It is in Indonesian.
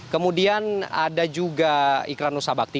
kemudian ada juga iklan nusa bakti